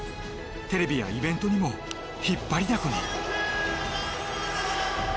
テレビやイベントにも引っ張りだこに。